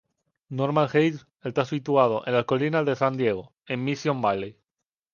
Normal Heights está situado en las colinas de San Diego, en Mission Valley.